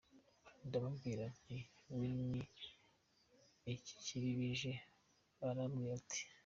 ndamubwira nti we nti ni ibiki bije?, arambwira ati .